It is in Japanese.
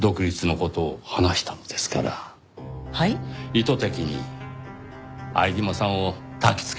意図的に相島さんをたきつけたんですよ。